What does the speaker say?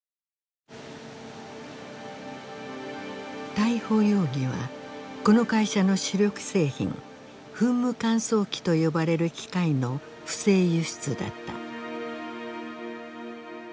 逮捕容疑はこの会社の主力製品噴霧乾燥機と呼ばれる機械の不正輸出だった。